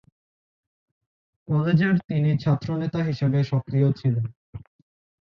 কলেজের তিনি ছাত্রনেতা হিসাবে সক্রিয় ছিলেন।